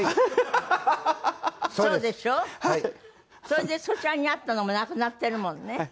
それでそちらにあったのもなくなっているもんね。